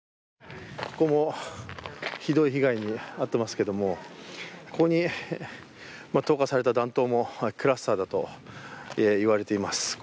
ここもひどい被害に遭っていますけれどもここに投下された弾頭もクラスターだといわれています。